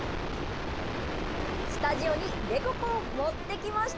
スタジオにデコポン持ってきました！